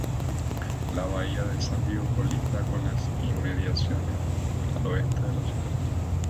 La Bahía de San Diego colinda con las inmediaciones al oeste de la ciudad.